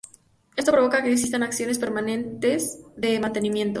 Esto provoca que existan acciones permanentes de mantenimiento.